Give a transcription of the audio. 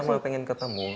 gak lah mau pengen ketemu